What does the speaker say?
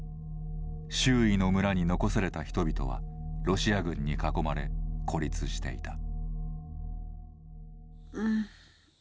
周囲の村に残された人々はロシア軍に囲まれ孤立していた。